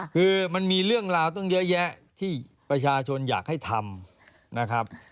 คือมันมีเรื่องราวตั้งเยอะแยะที่ประชาชนอยากให้ทำนะครับ